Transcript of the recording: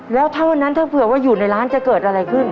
แล้วเท่านั้นเผื่อว่าอยู่ในร้านจะเกิดอะไรขึ้น